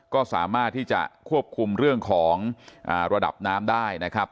ก็สามารถที่จะควบคุมเรื่องของระดับน้ำได้นะครับ